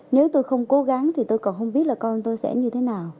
nếu tôi không cố gắng thì tôi còn không biết là con tôi sẽ như thế nào